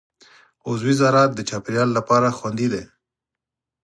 عضوي زراعت د چاپېریال لپاره خوندي دی.